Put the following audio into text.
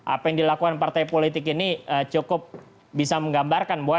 apa yang dilakukan partai politik ini cukup bisa menggambarkan bahwa